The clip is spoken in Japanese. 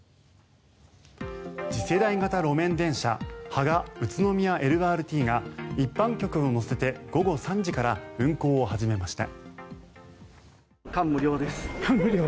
次世代型路面電車芳賀・宇都宮ＬＲＴが一般客を乗せて午後３時から運行を始めました。